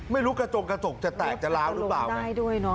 ไม่รู้กระจงกระจกจะแตกจะล้างหรือเปล่าไง